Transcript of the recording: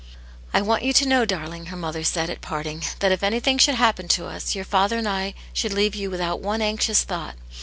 " I want you to know, darling," her mother said, at parting, " that if anything should happen to us, your father and I should leave you without one anxious thought.